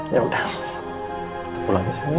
yaudah kita pulang ke sana ya